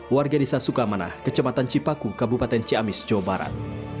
warga desa sukamanah kecematan cipaku kabupaten ciamis jawa barat